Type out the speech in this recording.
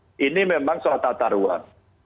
nah ini memang soal tata ruang